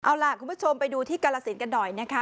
เอาล่ะคุณผู้ชมไปดูที่กาลสินกันหน่อยนะคะ